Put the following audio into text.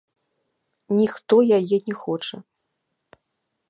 Ніхто яе не хоча.